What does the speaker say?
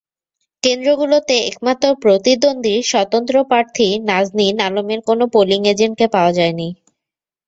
কেন্দ্রগুলোতে একমাত্র প্রতিদ্বন্দ্বী স্বতন্ত্র প্রার্থী নাজনীন আলমের কোনো পোলিং এজেন্টকে পাওয়া যায়নি।